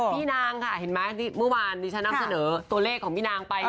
พี่นางค่ะเห็นไหมเมื่อวานนี้ฉันนำเสนอตัวเลขของพี่นางไป